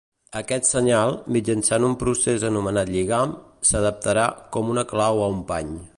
Aquest senyal, mitjançant un procés anomenat lligam, s'adaptarà com una clau a un pany.